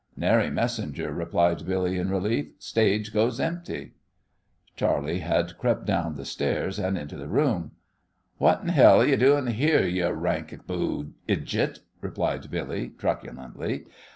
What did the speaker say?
"Nary messenger," replied Billy, in relief. "Stage goes empty." Charley had crept down the stairs and into the room. "What in hell are yo' doin' yere, yo' ranikaboo ijit?" inquired Billy, truculently.